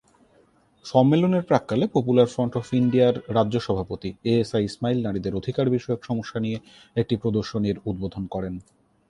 সম্মেলনের প্রাক্কালে, Popular Front of ইন্ডিয়ার রাজ্য সভাপতি এএসআই ইসমাইল নারীদের অধিকার বিষয়ক সমস্যা নিয়ে একটি প্রদর্শনীর উদ্বোধন করেন।